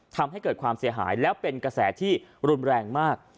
ทำให้เกิดความเสียหายแล้วเป็นกระแสที่รุนแรงมาก